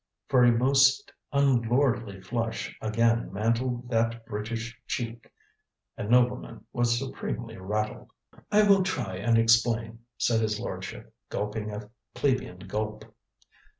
For a most unlordly flush again mantled that British cheek. A nobleman was supremely rattled. "I will try and explain," said his lordship, gulping a plebeian gulp.